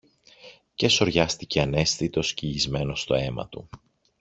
Και σωριάστηκε αναίσθητος, κυλισμένος στο αίμα του.